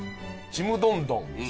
ちむどんどん。